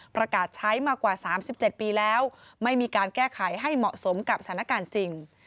ประกาศใช้มากว่า๓๗ปีแล้วไม่มีการแก้ไขให้เหมาะสมกับสถานการณ์จริง